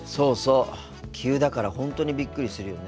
急だから本当にビックリするよね。